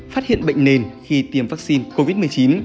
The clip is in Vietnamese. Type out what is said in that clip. phát hiện bệnh nền khi tiêm vaccine covid một mươi chín